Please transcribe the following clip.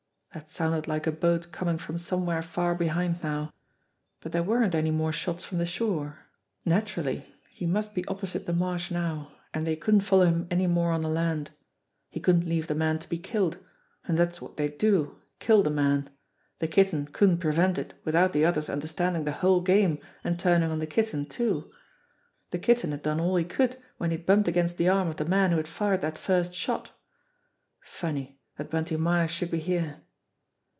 That sounded like a boat coming from somewhere far behind now. But there weren't any more shots from the shore. Naturally! He must be opposite the marsh now, and they couldn't follow him any more on the land. He couldn't leave the man to be killed and that's what they'd do, kill the man. The Kitten couldn't prevent it with out the others understanding the whole game and turning on the Kitten too. The Kitten had done all he could when he had bumped against the arm of the man who had fired that first shot. Funny, that Bunty Myers should be here!